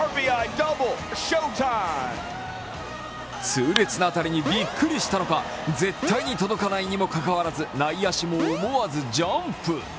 痛烈な当たりにびっくりしたのか絶対に届かないのにもかかわらず、内野手も思わずジャンプ。